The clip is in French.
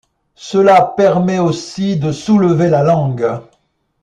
Cela permet aussi de soulever la langue.